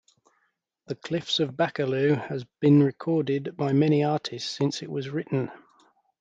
"The Cliffs of Baccalieu" has been recorded by many artists since it was written.